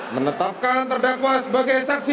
menetapkan terdakwa sebagai saksi